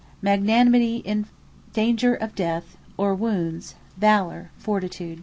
Valour Magnanimity, in danger of Death, or Wounds, VALOUR, FORTITUDE.